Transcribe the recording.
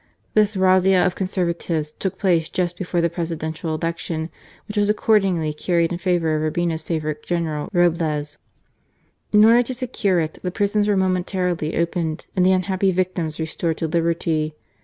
This razzia of Conservatives took place just before the Presidential Election, which was accordingly carried in favour of Urbina's favourite. General Roblez. In order to secure it, the prisons were momentarily opened, and the unhappy victims restored to liberty.